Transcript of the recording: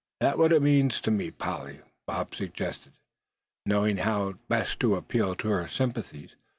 "Think what it means to me, Polly," Bob suggested, knowing how best to appeal to her sympathies.